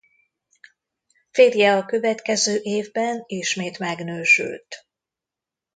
Férje a következő évben ismét megnősült.